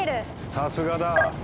さすがだ！